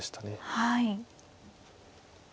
はい。